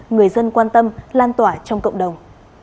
người dân quan tâm lan tỏa trong cộng đồng